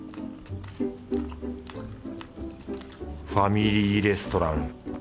ファミリーレストラン。